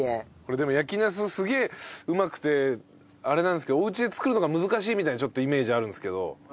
でも焼きナスすげえうまくてあれなんですけどお家で作るのが難しいみたいなちょっとイメージあるんですけど。